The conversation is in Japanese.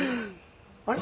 あれ？